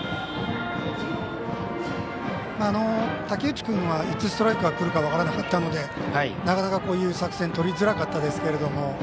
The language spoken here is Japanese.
武内君はいつストライクがくるか分からなかったのでなかなかこういう作戦がとりづらかったですけど